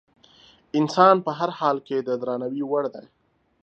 انسان په هر حال کې د درناوي وړ دی.